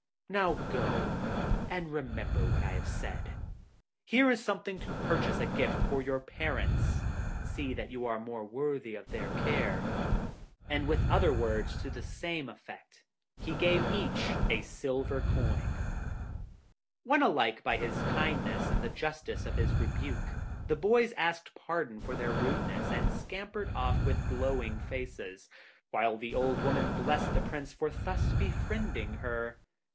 Now go and remember what I have said. Here is something to purchase a gift for your parents. See that you are more worthy of their care.' And with other words to the same effect, he gave each a silver coin. Won alike by his kindness and the justice of his rebuke, the boys asked pardon for their rudeness, and scampered off with glowing faces, while the old woman blessed the Prince for thus befriending her.